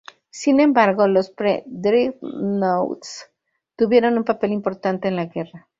Sin embargo, los pre-dreadnoughts, tuvieron un papel importante en la guerra.